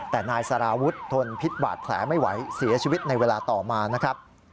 แต่นายสารวุฒิทนพิษบาดแผลไม่ไหวเสียชีวิตในเวลาต่อมานะครับ